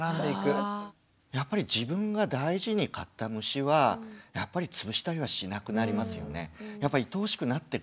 やっぱり自分が大事に飼った虫はつぶしたりはしなくなりますよね。